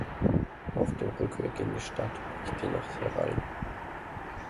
Auf dem Rückweg in die Stadt bricht die Nacht herein.